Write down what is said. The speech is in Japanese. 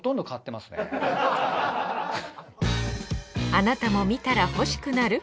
あなたも見たら欲しくなる？